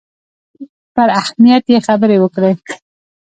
پر اهمیت یې خبرې وکړې.